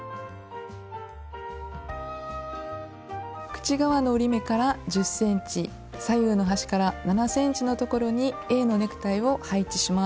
口側の折り目から１０ｃｍ左右の端から７ｃｍのところにａのネクタイを配置します。